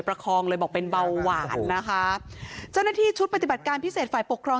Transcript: ประคองเลยบอกเป็นเบาหวานนะคะเจ้าหน้าที่ชุดปฏิบัติการพิเศษฝ่ายปกครอง